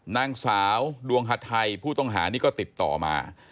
นางสาวดวงฮาไทยผู้ต้องหานี่ก็ติดต่อมา